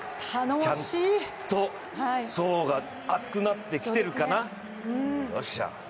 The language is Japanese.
ちゃんと層が厚くなってきてるかな、よっしゃ。